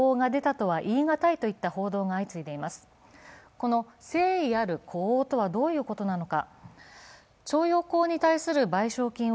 この誠意ある呼応とはどういうことなのか。